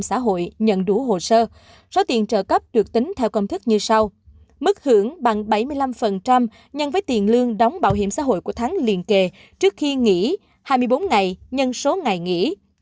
sau tiền trợ cấp được tính theo công thức như sau mức hưởng bằng bảy mươi năm nhân với tiền lương đóng bảo hiểm xã hội của tháng liên kề trước khi nghỉ hai mươi bốn ngày nhân số ngày nghỉ